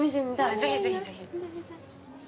ぜひぜひぜひ。